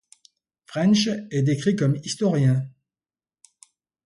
French est décrit comme historien.